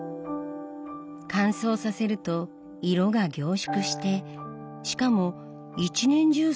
乾燥させると色が凝縮してしかも一年中染めが楽しめるの。